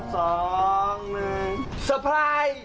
สเตอร์พร้าย